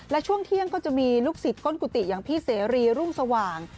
และช่วงเที่ยงก็จะมีลูกศิษย์ก้นกุฏิอย่างพี่เสรีรุ่งสว่าง